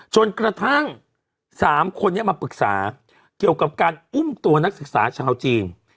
จนกระทั่ง๓คนนี้มาปรึกษาเกี่ยวกับการอุ้มตัวนักศึกษาชาวจีน